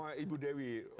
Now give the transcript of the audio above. hanya ibu dewi